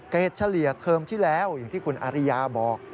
เฉลี่ยเทอมที่แล้วอย่างที่คุณอาริยาบอก